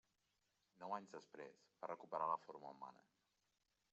Nou anys després va recuperar la forma humana.